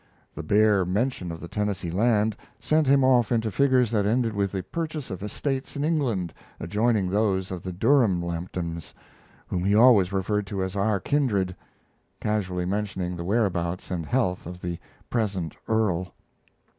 The bare mention of the Tennessee land sent him off into figures that ended with the purchase of estates in England adjoining those of the Durham Lamptons, whom he always referred to as "our kindred," casually mentioning the whereabouts and health of the "present earl."